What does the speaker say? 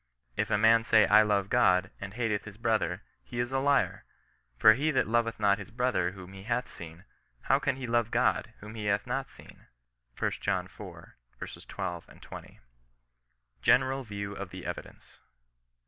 " If a man say I love God, and hateth his brother, he is a liar ; for he that loveth not his brother whom he hath seen, how can he love God whom he hath not seen Y* lb. iv. 12, 20. GENERAL VIEW OP THE EVIDENCE.